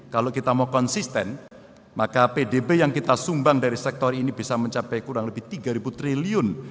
kalau kita mau konsisten maka pdb yang kita sumbang dari sektor ini bisa mencapai kurang lebih tiga triliun